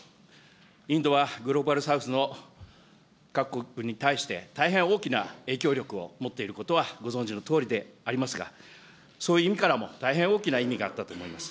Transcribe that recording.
インドはグローバル・サウスの各国に対して大変大きな影響力を持っていることは、ご存じのとおりでありますが、そういう意味からも大変大きな意味があったと思います。